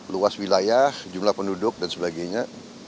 luas wilayah jumlah penduduk dan sebagainya